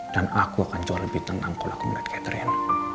dan aku akan jauh lebih tentang kalau aku melihat katrin